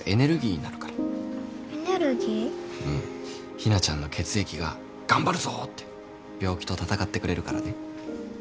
日菜ちゃんの血液が「頑張るぞ」って病気と闘ってくれるからね。